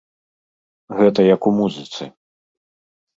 Гэта як у музыцы.